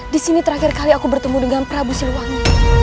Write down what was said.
di sini terakhir kali aku bertemu dengan prabu siliwangi